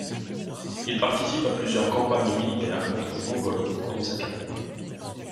Il participe à plusieurs campagnes militaires contre les Mongols au cours de sa carrière.